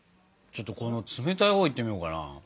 ちょっとこの冷たいほういってみようかな。